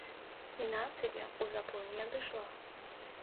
І нацыя ў запой не адышла.